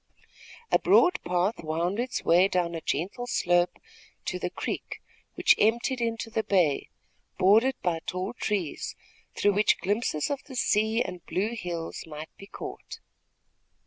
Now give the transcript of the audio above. A broad path wound its way down a gentle slope to the creek, which emptied into the bay, bordered by tall trees, through which glimpses of the sea and blue hills might be caught.